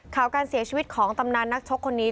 ข่าวการเสียชีวิตของตำนานนักชกคนนี้